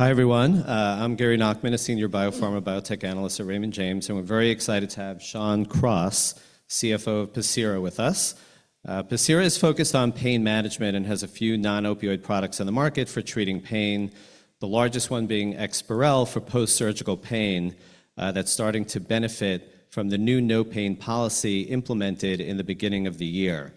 Hi everyone. I'm Gary Nachman, a Senior Biopharma Biotech Analyst at Raymond James, and we're very excited to have Shawn Cross, CFO of Pacira, with us. Pacira is focused on pain management and has a few non-opioid products on the market for treating pain, the largest one being EXPAREL for post-surgical pain that's starting to benefit from the new No Pain policy implemented in the beginning of the year.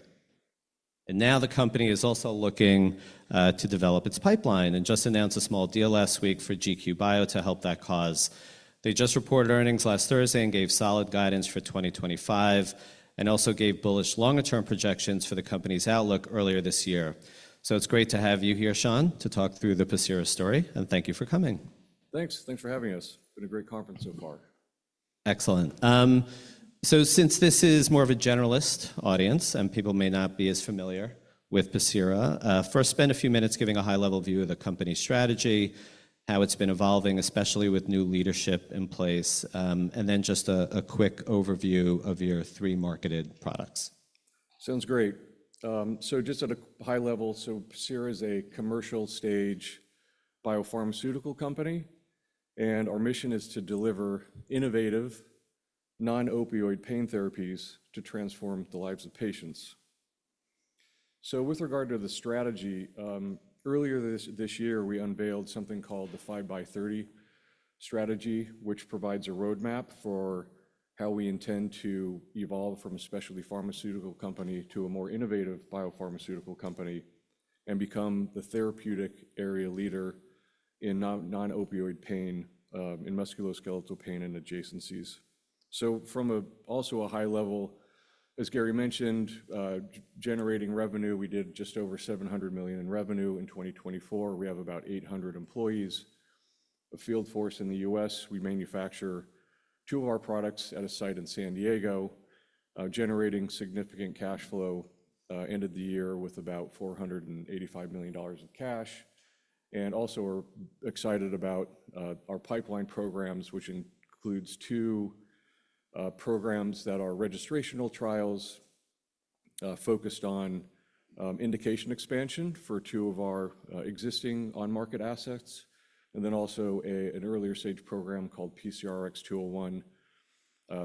The company is also looking to develop its pipeline and just announced a small deal last week for GQ Bio to help that cause. They just reported earnings last Thursday and gave solid guidance for 2025 and also gave bullish longer-term projections for the company's outlook earlier this year. It is great to have you here Shawn to talk through the Pacira story and thank you for coming. Thanks. Thanks for having us. It's been a great conference so far. Excellent. Since this is more of a generalist audience and people may not be as familiar with Pacira, first, spend a few minutes giving a high-level view of the company's strategy, how it's been evolving, especially with new leadership in place, and then just a quick overview of your three marketed products. Sounds great. Just at a high level, Pacira is a commercial-stage biopharmaceutical company, and our mission is to deliver innovative non-opioid pain therapies to transform the lives of patients. With regard to the strategy, earlier this year, we unveiled something called the 5x30 strategy, which provides a roadmap for how we intend to evolve from a specialty pharmaceutical company to a more innovative biopharmaceutical company and become the therapeutic area leader in non-opioid pain and musculoskeletal pain and adjacencies. From also a high level, as Gary mentioned, generating revenue, we did just over $700 million in revenue in 2024. We have about 800 employees, a field force in the US. We manufacture two of our products at a site in San Diego, generating significant cash flow end of the year with about $485 million of cash. We are also excited about our pipeline programs, which includes two programs that are registrational trials focused on indication expansion for two of our existing on-market assets and then also an earlier stage program called PCRX-201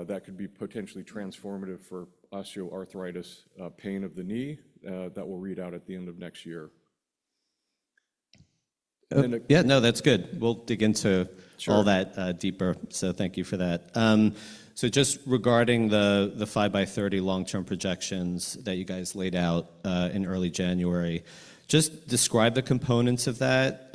that could be potentially transformative for osteoarthritis pain of the knee that will read out at the end of next year. Yeah, no that's good. We'll dig into all that deeper. Thank you for that. Just regarding the 5x30 long-term projections that you guys laid out in early January, just describe the components of that,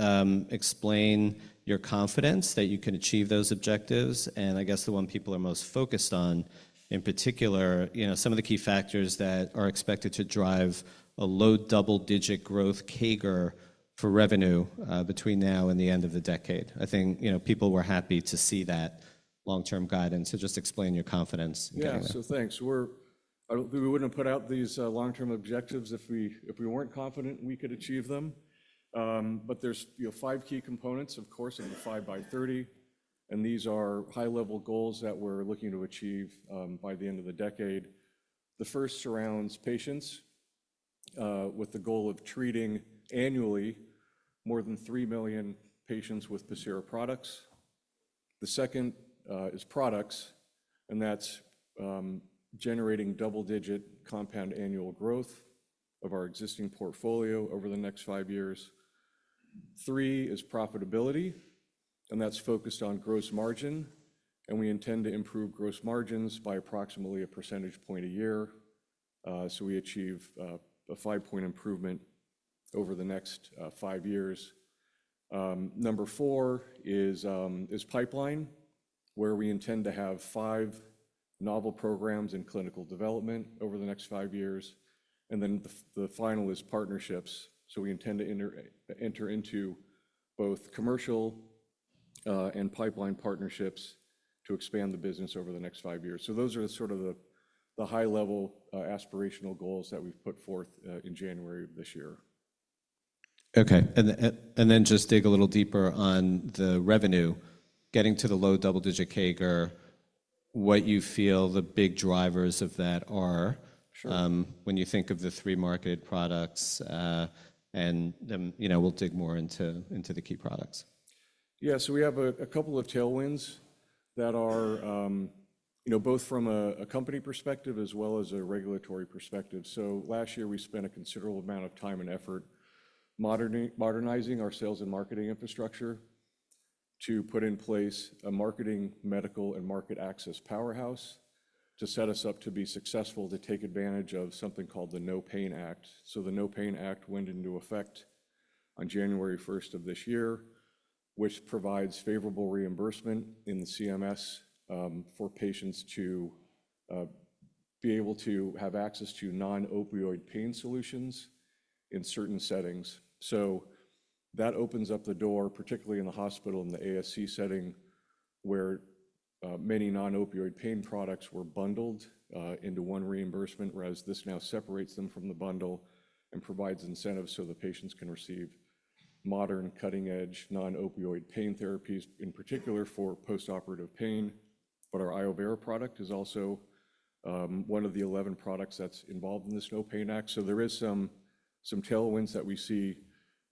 explain your confidence that you can achieve those objectives, and I guess the one people are most focused on in particular, some of the key factors that are expected to drive a low double-digit growth CAGR for revenue between now and the end of the decade. I think people were happy to see that long-term guidance. Just explain your confidence. Yeah, so thanks. We wouldn't have put out these long-term objectives if we weren't confident we could achieve them. There's five key components, of course, of the 5x30, and these are high-level goals that we're looking to achieve by the end of the decade. The first surrounds patients with the goal of treating annually more than 3 million patients with Pacira products. The second is products, and that's generating double-digit compound annual growth of our existing portfolio over the next five years. Three is profitability, and that's focused on gross margin, and we intend to improve gross margins by approximately a percentage point a year. We achieve a five-point improvement over the next five years. Number four is pipeline, where we intend to have five novel programs in clinical development over the next five years. The final is partnerships. We intend to enter into both commercial and pipeline partnerships to expand the business over the next five years. Those are sort of the high-level aspirational goals that we've put forth in January of this year. Okay. Just dig a little deeper on the revenue. Getting to the low double-digit CAGR, what you feel the big drivers of that are when you think of the three marketed products, and then we'll dig more into the key products. Yeah, we have a couple of tailwinds that are both from a company perspective as well as a regulatory perspective. Last year, we spent a considerable amount of time and effort modernizing our sales and marketing infrastructure to put in place a marketing, medical, and market access powerhouse to set us up to be successful to take advantage of something called the No Pain Act. The No Pain Act went into effect on January 1 of this year, which provides favorable reimbursement in the CMS for patients to be able to have access to non-opioid pain solutions in certain settings. That opens up the door, particularly in the hospital and the ASC setting, where many non-opioid pain products were bundled into one reimbursement, whereas this now separates them from the bundle and provides incentives so the patients can receive modern, cutting-edge non-opioid pain therapies, in particular for post-operative pain. Our ioveraº product is also one of the 11 products that's involved in this No Pain Act. There are some tailwinds that we see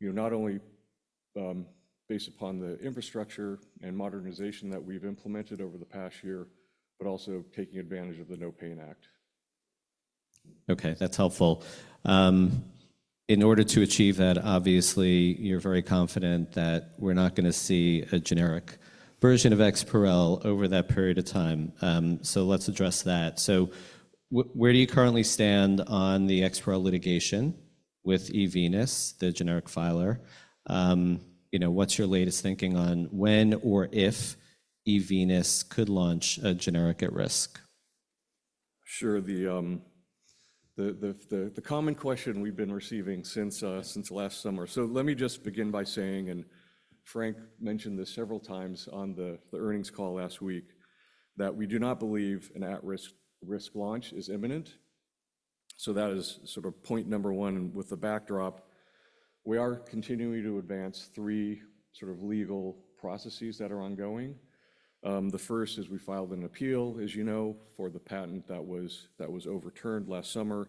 not only based upon the infrastructure and modernization that we've implemented over the past year, but also taking advantage of the No Pain Act. Okay, that's helpful. In order to achieve that, obviously, you're very confident that we're not going to see a generic version of EXPAREL over that period of time. Let's address that. Where do you currently stand on the EXPAREL litigation with eVenus, the generic filer? What's your latest thinking on when or if eVenus could launch a generic at risk? Sure. The common question we've been receiving since last summer. Let me just begin by saying, and Frank mentioned this several times on the earnings call last week, that we do not believe an at-risk launch is imminent. That is sort of point number one. With the backdrop, we are continuing to advance three sort of legal processes that are ongoing. The first is we filed an appeal, as you know, for the patent that was overturned last summer.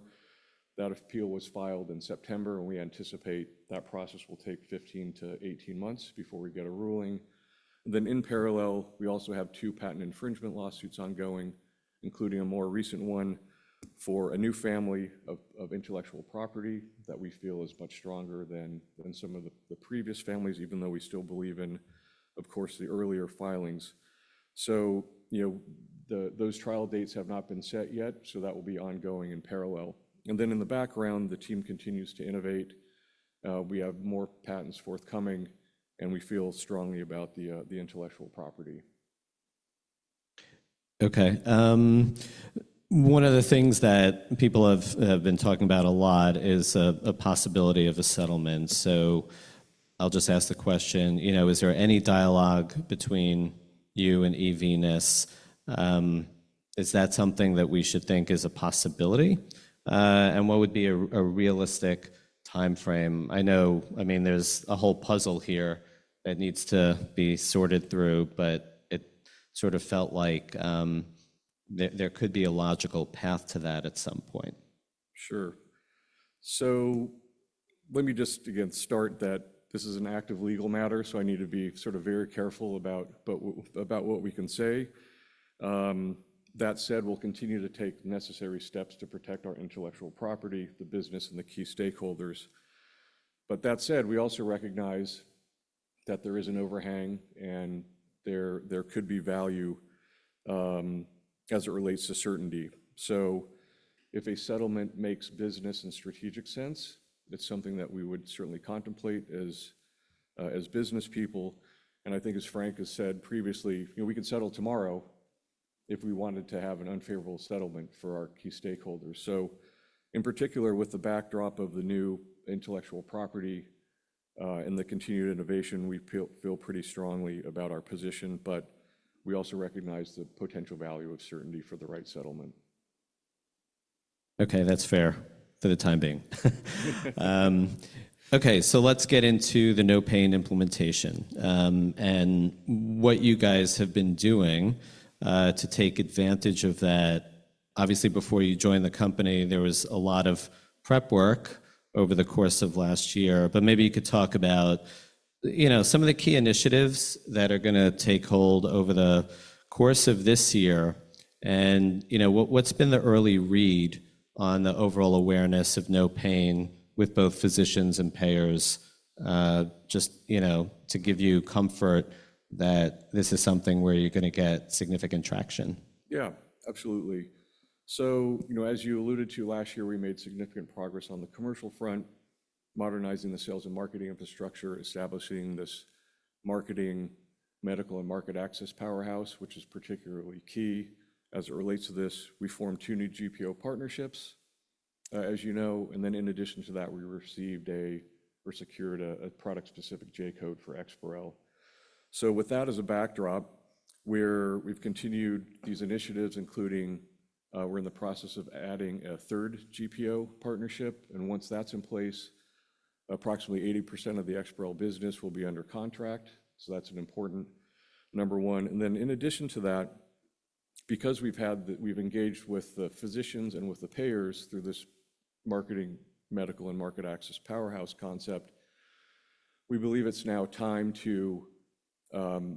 That appeal was filed in September, and we anticipate that process will take 15-18 months before we get a ruling. In parallel, we also have two patent infringement lawsuits ongoing, including a more recent one for a new family of intellectual property that we feel is much stronger than some of the previous families, even though we still believe in, of course, the earlier filings. Those trial dates have not been set yet, so that will be ongoing in parallel. In the background, the team continues to innovate. We have more patents forthcoming, and we feel strongly about the intellectual property. Okay. One of the things that people have been talking about a lot is a possibility of a settlement. I'll just ask the question. Is there any dialogue between you and eVenus? Is that something that we should think is a possibility? What would be a realistic time frame? I know, I mean, there's a whole puzzle here that needs to be sorted through, but it sort of felt like there could be a logical path to that at some point. Sure. Let me just again start that this is an active legal matter, so I need to be sort of very careful about what we can say. That said, we'll continue to take necessary steps to protect our intellectual property, the business, and the key stakeholders. That said, we also recognize that there is an overhang, and there could be value as it relates to certainty. If a settlement makes business and strategic sense, it's something that we would certainly contemplate as business people. I think, as Frank has said previously, we could settle tomorrow if we wanted to have an unfavorable settlement for our key stakeholders. In particular, with the backdrop of the new intellectual property and the continued innovation, we feel pretty strongly about our position, but we also recognize the potential value of certainty for the right settlement. Okay, that's fair for the time being. Okay, let's get into the No Pain implementation and what you guys have been doing to take advantage of that. Obviously, before you joined the company, there was a lot of prep work over the course of last year, but maybe you could talk about some of the key initiatives that are going to take hold over the course of this year. What's been the early read on the overall awareness of No Pain with both physicians and payers, just to give you comfort that this is something where you're going to get significant traction? Yeah absolutely. As you alluded to last year, we made significant progress on the commercial front, modernizing the sales and marketing infrastructure, establishing this marketing, medical, and market access powerhouse, which is particularly key as it relates to this. We formed two new GPO partnerships, as you know, and in addition to that, we received or secured a product-specific J code for EXPAREL. With that as a backdrop, we've continued these initiatives, including we're in the process of adding a third GPO partnership. Once that's in place, approximately 80% of the EXPAREL business will be under contract. That's an important number one. In addition to that, because we've engaged with the physicians and with the payers through this marketing, medical, and market access powerhouse concept, we believe it's now time to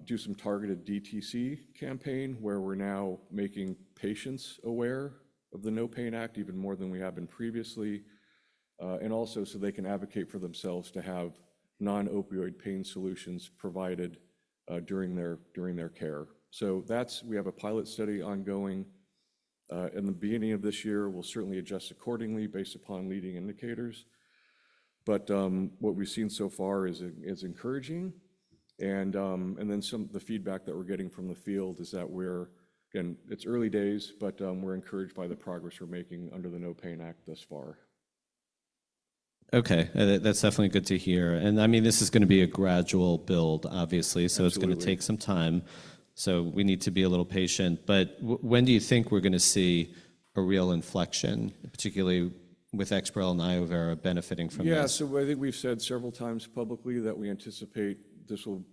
do some targeted DTC campaign where we're now making patients aware of the No Pain Act even more than we have been previously, and also so they can advocate for themselves to have non-opioid pain solutions provided during their care. We have a pilot study ongoing in the beginning of this year. We'll certainly adjust accordingly based upon leading indicators. What we've seen so far is encouraging. Some of the feedback that we're getting from the field is that we're, again, it's early days, but we're encouraged by the progress we're making under the No Pain Act thus far. Okay. That's definitely good to hear. I mean, this is going to be a gradual build, obviously, so it's going to take some time. We need to be a little patient. When do you think we're going to see a real inflection, particularly with EXPAREL and iovera° benefiting from this? Yeah, I think we've said several times publicly that we anticipate this will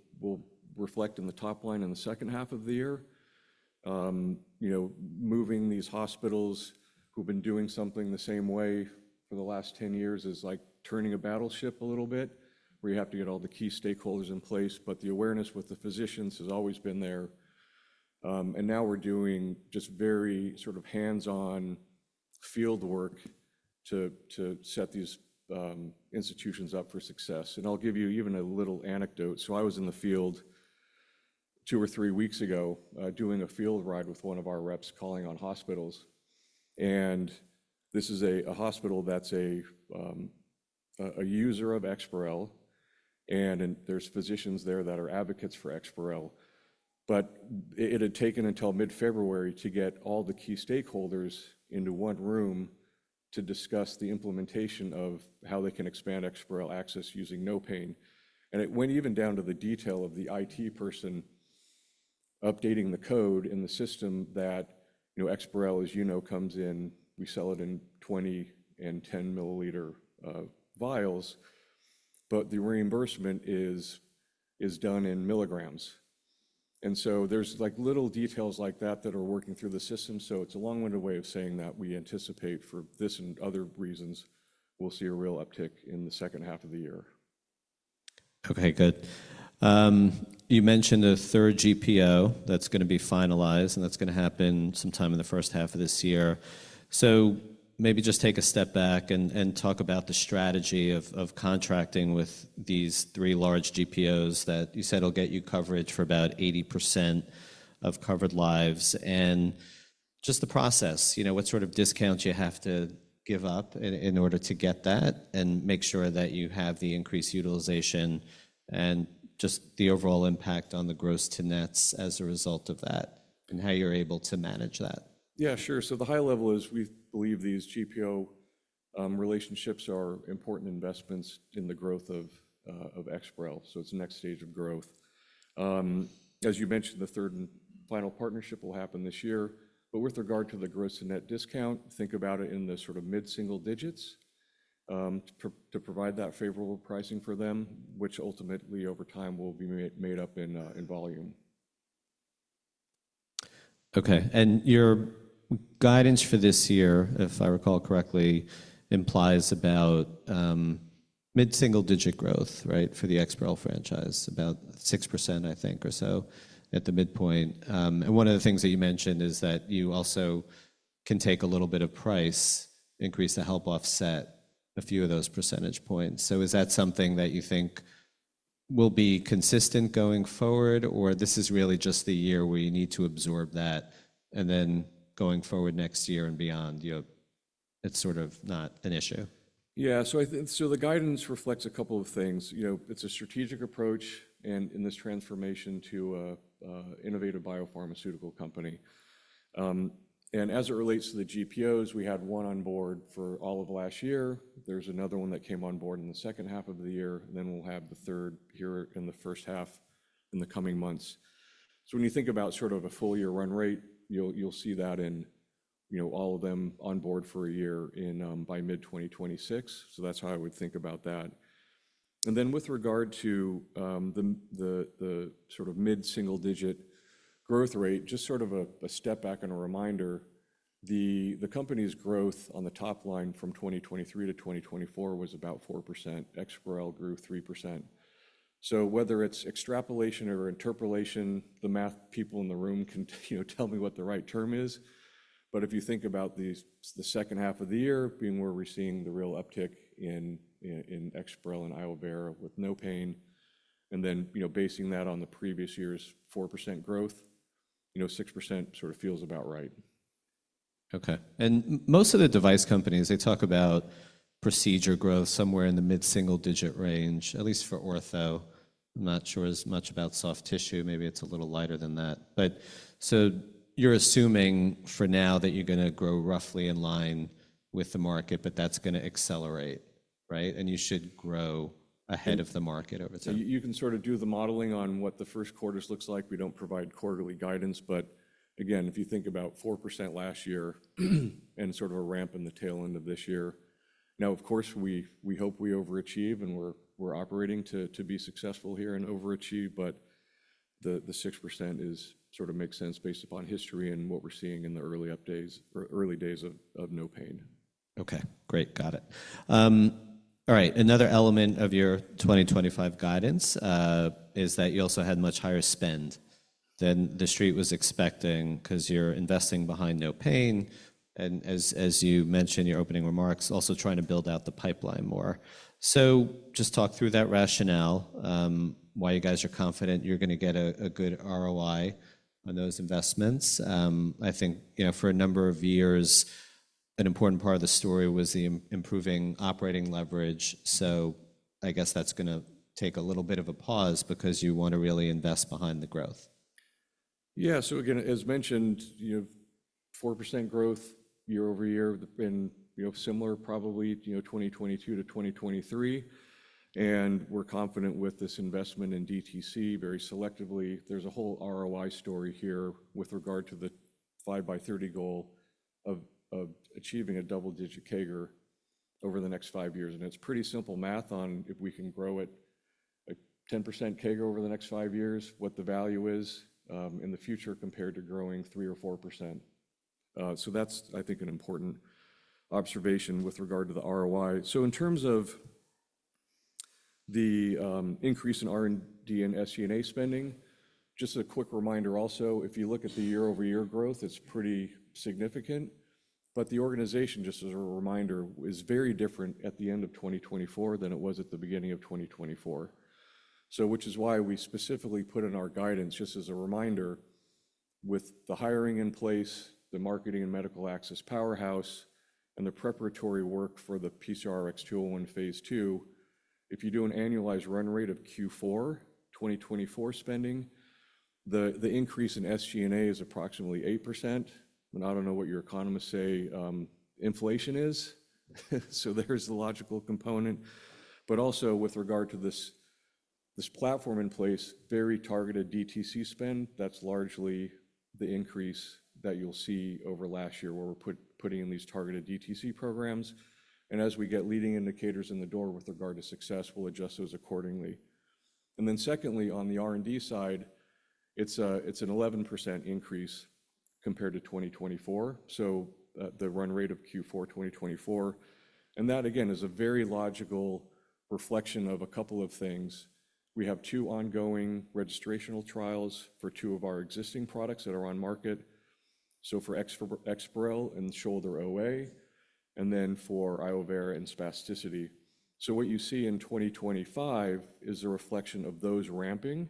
reflect in the top line in the second half of the year. Moving these hospitals who've been doing something the same way for the last 10 years is like turning a battleship a little bit, where you have to get all the key stakeholders in place. The awareness with the physicians has always been there. Now we're doing just very sort of hands-on field work to set these institutions up for success. I'll give you even a little anecdote. I was in the field two or three weeks ago doing a field ride with one of our reps calling on hospitals. This is a hospital that's a user of EXPAREL, and there are physicians there that are advocates for EXPAREL. It had taken until mid-February to get all the key stakeholders into one room to discuss the implementation of how they can expand EXPAREL access using No Pain. It went even down to the detail of the IT person updating the code in the system that EXPAREL, as you know, comes in, we sell it in 20 and 10 mL vials, but the reimbursement is done in milligrams. There are little details like that that are working through the system. It is a long-winded way of saying that we anticipate for this and other reasons, we'll see a real uptick in the second half of the year. Okay, good. You mentioned a third GPO that's going to be finalized, and that's going to happen sometime in the first half of this year. Maybe just take a step back and talk about the strategy of contracting with these three large GPOs that you said will get you coverage for about 80% of covered lives. Just the process, what sort of discounts you have to give up in order to get that and make sure that you have the increased utilization and just the overall impact on the gross to nets as a result of that and how you're able to manage that? Yeah, sure. The high level is we believe these GPO relationships are important investments in the growth of EXPAREL. It is the next stage of growth. As you mentioned, the third and final partnership will happen this year. With regard to the gross to net discount, think about it in the sort of mid-single digits to provide that favorable pricing for them, which ultimately over time will be made up in volume. Okay. Your guidance for this year, if I recall correctly, implies about mid-single digit growth, right, for the EXPAREL franchise, about 6%, I think, or so at the midpoint. One of the things that you mentioned is that you also can take a little bit of price, increase to help offset a few of those percentage points. Is that something that you think will be consistent going forward, or is this really just the year where you need to absorb that, and then going forward next year and beyond, it's sort of not an issue? Yeah. The guidance reflects a couple of things. It's a strategic approach in this transformation to an innovative biopharmaceutical company. As it relates to the GPOs, we had one on board for all of last year. There's another one that came on board in the second half of the year, and then we'll have the third here in the first half in the coming months. When you think about sort of a full year run rate, you'll see that in all of them on board for a year by mid-2026. That's how I would think about that. With regard to the sort of mid-single digit growth rate, just sort of a step back and a reminder, the company's growth on the top line from 2023 to 2024 was about 4%. EXPAREL grew 3%. Whether it's extrapolation or interpolation, the math people in the room can tell me what the right term is. If you think about the second half of the year being where we're seeing the real uptick in EXPAREL and iovera ºwith No Pain, and then basing that on the previous year's 4% growth, 6% sort of feels about right. Okay. Most of the device companies, they talk about procedure growth somewhere in the mid-single digit range, at least for ortho. I'm not sure as much about soft tissue. Maybe it's a little lighter than that. You are assuming for now that you are going to grow roughly in line with the market, but that's going to accelerate, right? You should grow ahead of the market over time. You can sort of do the modeling on what the first quarter's looks like. We do not provide quarterly guidance, but again, if you think about 4% last year and sort of a ramp in the tail end of this year. Now, of course, we hope we overachieve and we are operating to be successful here and overachieve, but the 6% sort of makes sense based upon history and what we are seeing in the early days of No Pain. Okay. Great. Got it. All right. Another element of your 2025 guidance is that you also had much higher spend than the street was expecting because you're investing behind No Pain. And as you mentioned in your opening remarks, also trying to build out the pipeline more. Just talk through that rationale, why you guys are confident you're going to get a good ROI on those investments. I think for a number of years, an important part of the story was the improving operating leverage. I guess that's going to take a little bit of a pause because you want to really invest behind the growth. Yeah. So again, as mentioned, 4% growth year over year in similar probably 2022 to 2023. We're confident with this investment in DTC very selectively. There's a whole ROI story here with regard to the 5x30 goal of achieving a double-digit CAGR over the next five years. It's pretty simple math on if we can grow it 10% CAGR over the next five years, what the value is in the future compared to growing 3% or 4%. That's, I think, an important observation with regard to the ROI. In terms of the increase in R&D and SG&A spending, just a quick reminder also, if you look at the year-over-year growth, it's pretty significant. The organization, just as a reminder, is very different at the end of 2024 than it was at the beginning of 2024, which is why we specifically put in our guidance just as a reminder with the hiring in place, the marketing and medical access powerhouse, and the preparatory work for the PCRX-201 phase II. If you do an annualized run rate of Q4 2024 spending, the increase in SG&A is approximately 8%. I do not know what your economists say inflation is, so there is the logical component. Also, with regard to this platform in place, very targeted DTC spend, that is largely the increase that you will see over last year where we are putting in these targeted DTC programs. As we get leading indicators in the door with regard to success, we will adjust those accordingly. Secondly, on the R&D side, it's an 11% increase compared to 2024, so the run rate of Q4 2024. That, again, is a very logical reflection of a couple of things. We have two ongoing registrational trials for two of our existing products that are on market, for EXPAREL and shoulder OA, and for ioveraº and spasticity. What you see in 2025 is a reflection of those ramping.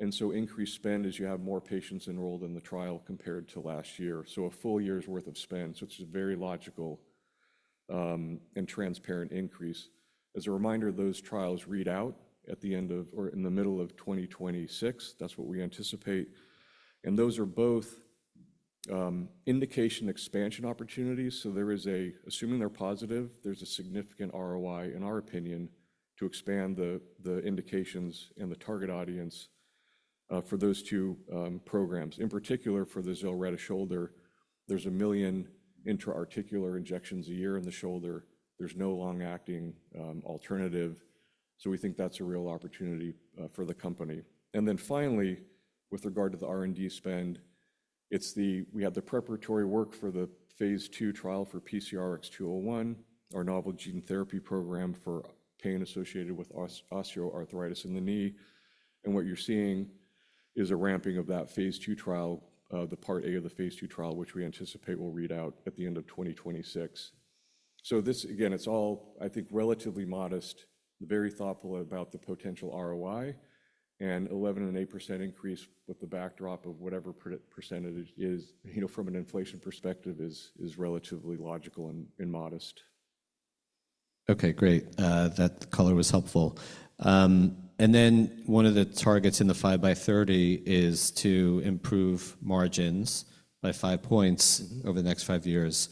Increased spend as you have more patients enrolled in the trial compared to last year, so a full year's worth of spend, which is a very logical and transparent increase. As a reminder, those trials read out at the end of or in the middle of 2026. That's what we anticipate. Those are both indication expansion opportunities. There is a, assuming they're positive, there's a significant ROI, in our opinion, to expand the indications and the target audience for those two programs. In particular, for the ZILRETTA shoulder, there's a million intra-articular injections a year in the shoulder. There's no long-acting alternative. We think that's a real opportunity for the company. Finally, with regard to the R&D spend, we had the preparatory work for the phase II trial for PCRX-201, our novel gene therapy program for pain associated with osteoarthritis in the knee. What you're seeing is a ramping of that phase II trial, the Part A of the phase II trial, which we anticipate will read out at the end of 2026. This, again, it's all, I think, relatively modest. Very thoughtful about the potential ROI and 11% and 8% increase with the backdrop of whatever percentage is from an inflation perspective is relatively logical and modest. Okay, great. That color was helpful. One of the targets in the 5x30 is to improve margins by five points over the next five years.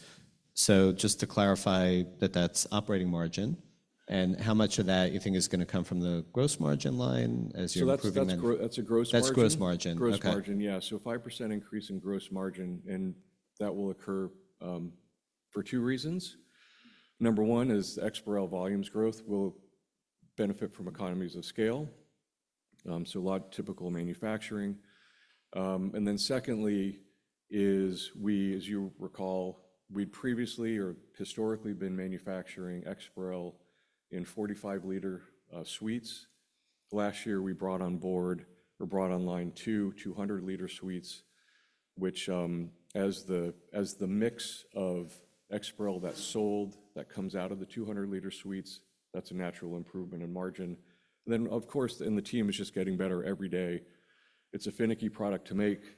Just to clarify that that's operating margin. How much of that do you think is going to come from the gross margin line as you're improving that? That's a gross margin. That's gross margin. Okay. Gross margin, yeah. 5% increase in gross margin, and that will occur for two reasons. Number one is EXPAREL volumes growth will benefit from economies of scale, so a lot of typical manufacturing. Secondly is, as you recall, we'd previously or historically been manufacturing EXPAREL in 45-liter suites. Last year, we brought on board or brought on line two 200-liter suites, which as the mix of EXPAREL that sold that comes out of the 200-liter suites, that's a natural improvement in margin. Of course, the team is just getting better every day. It's a finicky product to make,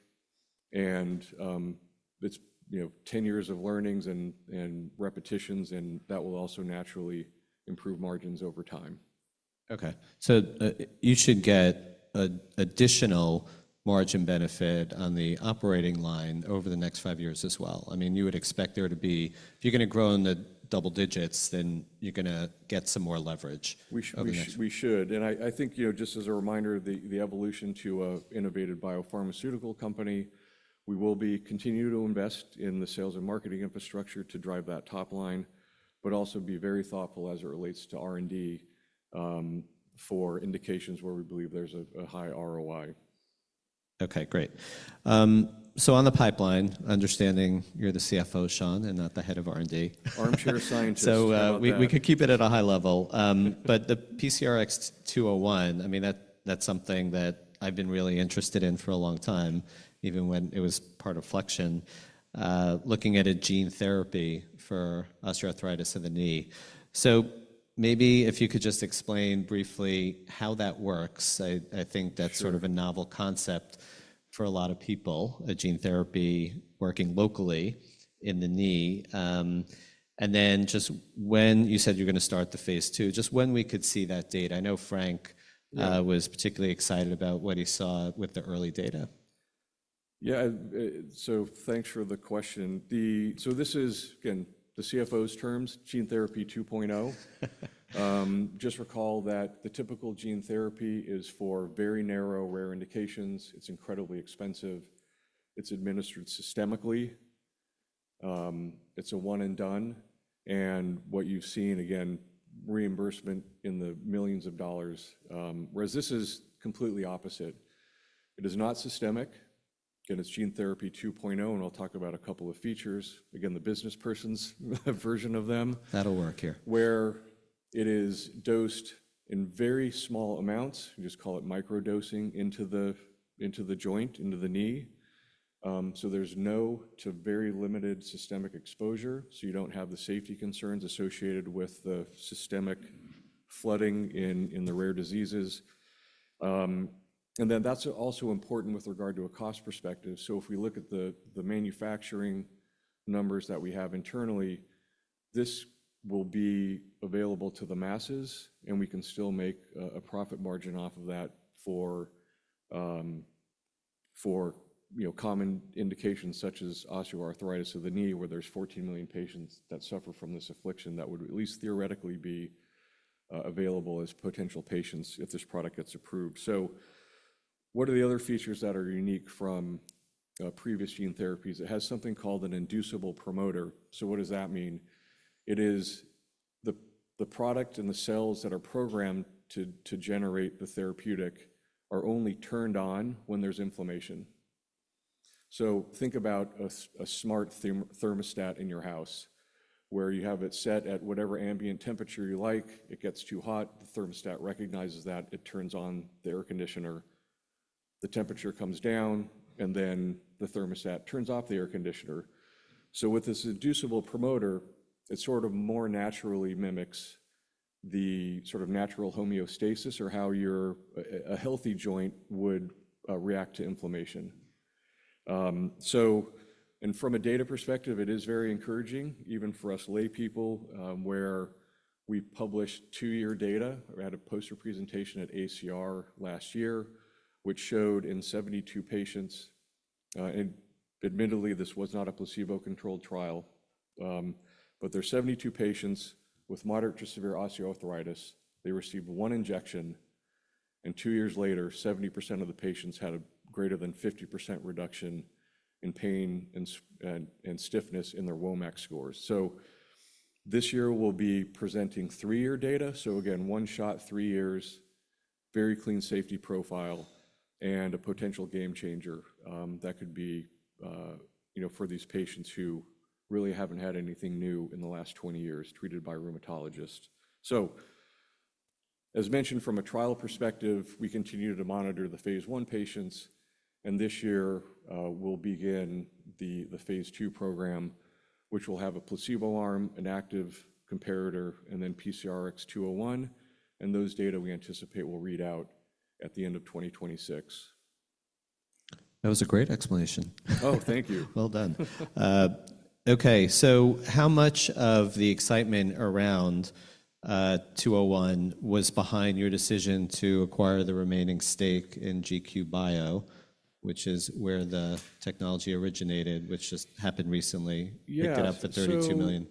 and it's 10 years of learnings and repetitions, and that will also naturally improve margins over time. Okay. You should get an additional margin benefit on the operating line over the next five years as well. I mean, you would expect there to be, if you're going to grow in the double digits, then you're going to get some more leverage. We should. We should. I think just as a reminder, the evolution to an innovative biopharmaceutical company, we will be continuing to invest in the sales and marketing infrastructure to drive that top line, but also be very thoughtful as it relates to R&D for indications where we believe there's a high ROI. Okay, great. On the pipeline, understanding you're the CFO, Shawn, and not the head of R&D. Armchair scientist. We could keep it at a high level. The PCRX-201, I mean, that's something that I've been really interested in for a long time, even when it was part of Flexion, looking at a gene therapy for osteoarthritis of the knee. Maybe if you could just explain briefly how that works. I think that's sort of a novel concept for a lot of people, a gene therapy working locally in the knee. When you said you're going to start the phase II, just when we could see that date. I know Frank was particularly excited about what he saw with the early data. Yeah. Thanks for the question. This is, again, the CFO's terms, gene therapy 2.0. Just recall that the typical gene therapy is for very narrow, rare indications. It's incredibly expensive. It's administered systemically. It's a one-and-done. What you've seen, again, reimbursement in the millions of dollars, whereas this is completely opposite. It is not systemic. Again, it's gene therapy 2.0, and I'll talk about a couple of features. Again, the business person's version of them. That'll work here. Where it is dosed in very small amounts, you just call it microdosing, into the joint, into the knee. There is no to very limited systemic exposure. You do not have the safety concerns associated with the systemic flooding in the rare diseases. That is also important with regard to a cost perspective. If we look at the manufacturing numbers that we have internally, this will be available to the masses, and we can still make a profit margin off of that for common indications such as osteoarthritis of the knee, where there are 14 million patients that suffer from this affliction that would at least theoretically be available as potential patients if this product gets approved. What are the other features that are unique from previous gene therapies? It has something called an inducible promoter. What does that mean? It is the product and the cells that are programmed to generate the therapeutic are only turned on when there's inflammation. Think about a smart thermostat in your house where you have it set at whatever ambient temperature you like. It gets too hot. The thermostat recognizes that. It turns on the air conditioner. The temperature comes down, and the thermostat turns off the air conditioner. With this inducible promoter, it sort of more naturally mimics the sort of natural homeostasis or how a healthy joint would react to inflammation. From a data perspective, it is very encouraging, even for us laypeople, where we published two-year data. I had a poster presentation at ACR last year, which showed in 72 patients, and admittedly, this was not a placebo-controlled trial, but there are 72 patients with moderate to severe osteoarthritis. They received one injection, and two years later, 70% of the patients had a greater than 50% reduction in pain and stiffness in their WOMAC scores. This year, we'll be presenting three-year data. One shot, three years, very clean safety profile, and a potential game changer that could be for these patients who really haven't had anything new in the last 20 years treated by a rheumatologist. As mentioned, from a trial perspective, we continue to monitor the phase I patients. This year, we'll begin the phase II program, which will have a placebo arm, an active comparator, and then PCRX-201. Those data we anticipate will read out at the end of 2026. That was a great explanation. Oh, thank you. Done. Okay. How much of the excitement around 201 was behind your decision to acquire the remaining stake in GQ Bio, which is where the technology originated, which just happened recently, picked it up for $32 million?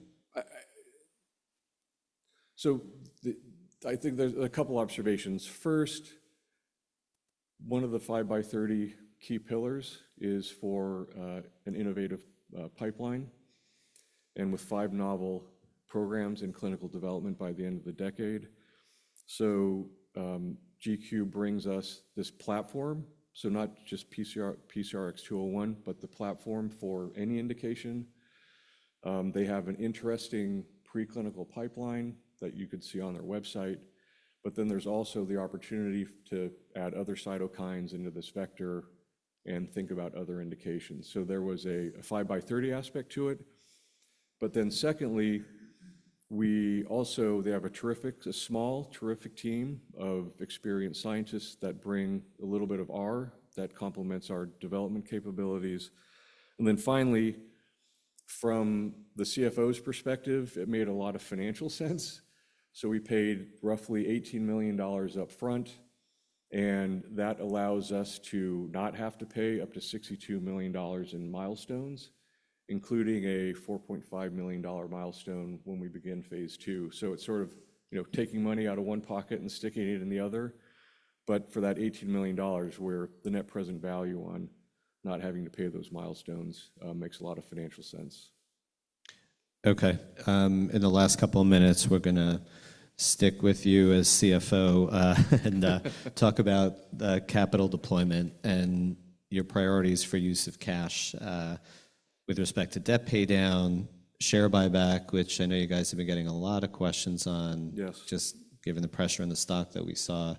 I think there's a couple of observations. First, one of the 5x30 key pillars is for an innovative pipeline and with five novel programs in clinical development by the end of the decade. GQ brings us this platform, not just PCRX-201, but the platform for any indication. They have an interesting preclinical pipeline that you could see on their website. There is also the opportunity to add other cytokines into this vector and think about other indications. There was a 5x30 aspect to it. Secondly, we also have a small, terrific team of experienced scientists that bring a little bit of R that complements our development capabilities. Finally, from the CFO's perspective, it made a lot of financial sense. We paid roughly $18 million upfront, and that allows us to not have to pay up to $62 million in milestones, including a $4.5 million milestone when we begin phase II. It is sort of taking money out of one pocket and sticking it in the other. For that $18 million, the net present value on not having to pay those milestones makes a lot of financial sense. Okay. In the last couple of minutes, we're going to stick with you as CFO and talk about capital deployment and your priorities for use of cash with respect to debt paydown, share buyback, which I know you guys have been getting a lot of questions on just given the pressure in the stock that we saw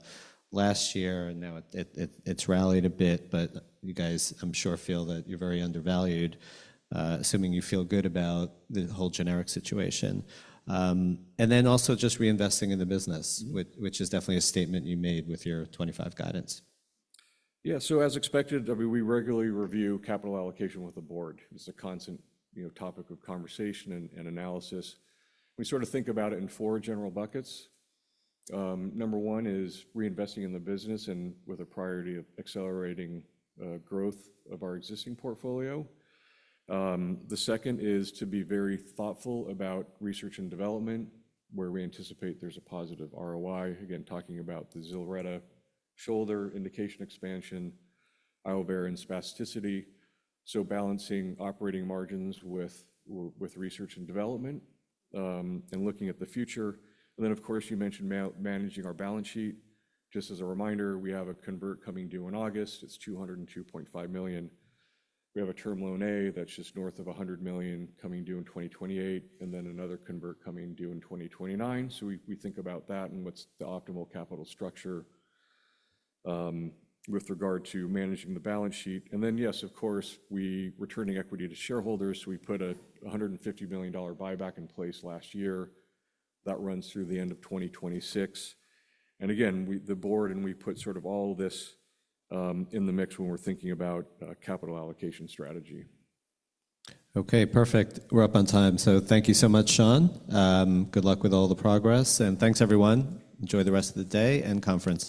last year. Now it's rallied a bit, but you guys, I'm sure, feel that you're very undervalued, assuming you feel good about the whole generic situation. Also just reinvesting in the business, which is definitely a statement you made with your 2025 guidance. Yeah. As expected, we regularly review capital allocation with the board. It's a constant topic of conversation and analysis. We sort of think about it in four general buckets. Number one is reinvesting in the business and with a priority of accelerating growth of our existing portfolio. The second is to be very thoughtful about research and development where we anticipate there's a positive ROI. Again, talking about the ZILRETTA shoulder indication expansion, ioveraº and spasticity. Balancing operating margins with research and development and looking at the future. Of course, you mentioned managing our balance sheet. Just as a reminder, we have a convert coming due in August. It's $202.5 million. We have a term loan A that's just north of $100 million coming due in 2028, and another convert coming due in 2029. We think about that and what's the optimal capital structure with regard to managing the balance sheet. Yes, of course, we're returning equity to shareholders. We put a $150 million buyback in place last year. That runs through the end of 2026. Again, the board and we put sort of all of this in the mix when we're thinking about capital allocation strategy. Okay, perfect. We're up on time. Thank you so much, Shawn. Good luck with all the progress. Thanks, everyone. Enjoy the rest of the day and conference.